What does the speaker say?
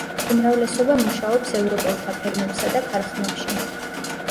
უმრავლესობა მუშაობს ევროპელთა ფერმებსა და ქარხნებში.